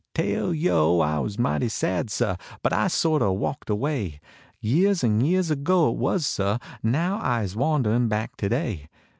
74 Tale y<> I was mighty sad, sah, P>ul I sort o walked away. Years en years ago it was, sah ; Now Ise wanderin back todav.